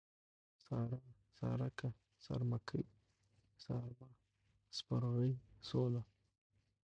سارا ، سارکه ، سارمکۍ ، سارمه ، سپرغۍ ، سوله